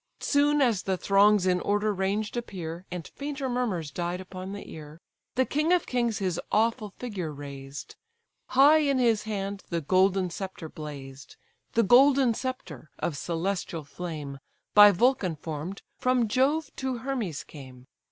Soon as the throngs in order ranged appear, And fainter murmurs died upon the ear, The king of kings his awful figure raised: High in his hand the golden sceptre blazed; The golden sceptre, of celestial flame, By Vulcan form'd, from Jove to Hermes came.